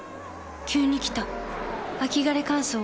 急に来た秋枯れ乾燥。